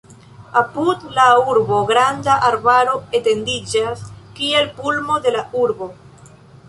Apud la urbo granda arbaro etendiĝas, kiel pulmo de la urbo.